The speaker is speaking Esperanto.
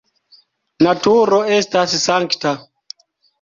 Naturo estas sankta.